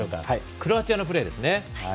クロアチアのプレーですね。